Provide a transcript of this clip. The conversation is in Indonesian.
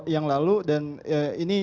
yang lalu dan ini